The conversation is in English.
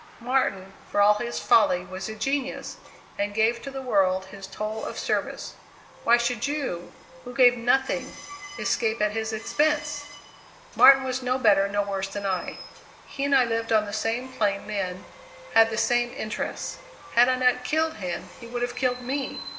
Martin, for all his folly was a genius, and gave to the world his toll of service. Why should you, who gave nothing, escape at his expense?" "Martin was no better, no worse, than I. He and I lived on the same plane then; had the same interests. Had I not killed him, he would have killed me.